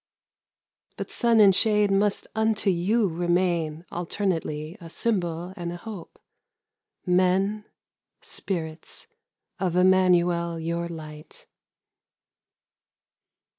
But sun and shade must unto you remain Alternately a symbol and a hope, Men, spirits! of Emmanuel your Light.